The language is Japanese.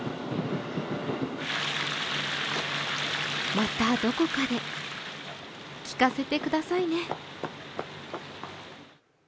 またどこかで聴かせてくださいね。